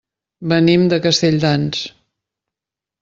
Venim de Castelldans.